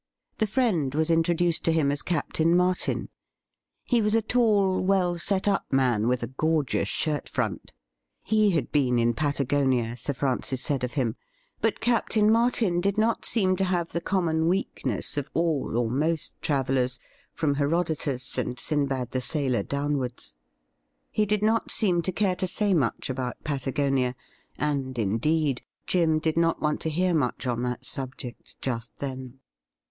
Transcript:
The friend was intro duced to him as Captain Martin. He was a tall, well set up man, with a gorgeous shirt front. He had been in Patagonia, Sir Francis said of him ; but Captain Martin did not seem to have the common weakness of all or most AN EPOCH MAKING DAY 191 travellers, from Herodotus and Sinbad the Sailor down wards. He did not seem to care to say much about Patagonia, and, indeed, Jim did not want to hear much on that subject just then.